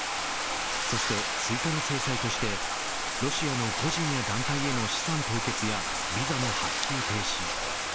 そして追加の制裁としてロシアの個人や団体への資産凍結やビザの発給停止。